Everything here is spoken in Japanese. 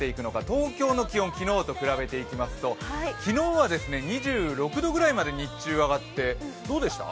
東京の気温、昨日と比べていきますと、昨日は２６度ぐらいまで日中上がってどうでした？